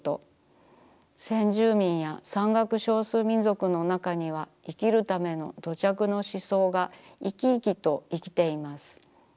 先住民や山岳少数民族のなかには生きるための土着の思想がいきいきと生きています。